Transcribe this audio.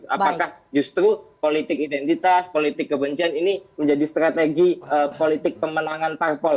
apakah justru politik identitas politik kebencian ini menjadi strategi politik pemenangan parpol